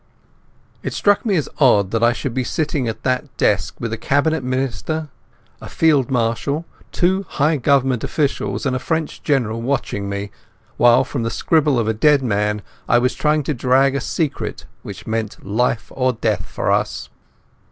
It struck me as odd that I should be sitting at that desk with a Cabinet Minister, a Field Marshal, two high Government officials, and a French General watching me, while from the scribble of a dead man I was trying to drag a secret which meant life or death for us.